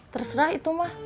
terserah itu mah